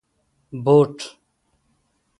👞 بوټ